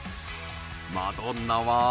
マドンナは。